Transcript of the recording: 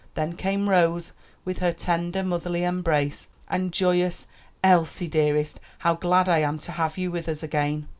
Then came Rose, with her tender, motherly embrace, and joyous "Elsie, dearest, how glad I am to have you with us again."